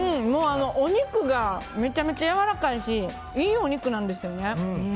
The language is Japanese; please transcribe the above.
お肉がめちゃめちゃやわらかいしいいお肉なんですよね。